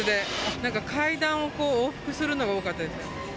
なんか階段をこう、往復するのが多かったですよね。